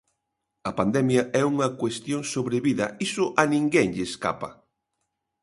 A pandemia é unha cuestión sobrevida, iso a ninguén lle escapa.